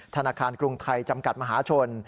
ธนาคารกรุงไทยจำกัดมหาชน